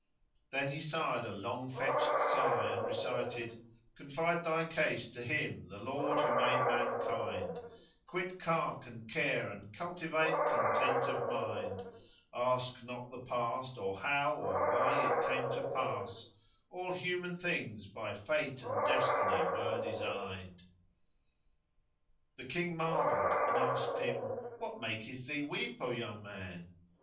Then he sighed a long fetched sigh and recited:— Confide thy case to Him, the Lord who made mankind; * Quit cark and care and cultivate content of mind; Ask not the Past or how or why it came to pass: * All human things by Fate and Destiny were designed! The King marvelled and asked him, "What maketh thee weep, O young man?"